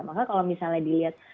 maka kalau misalnya dilihat